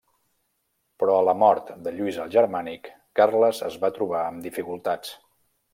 Però a la mort de Lluís el Germànic, Carles es va trobar amb dificultats.